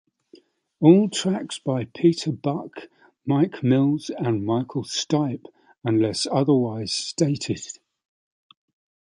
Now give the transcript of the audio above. All tracks by Peter Buck, Mike Mills, and Michael Stipe unless otherwise stated.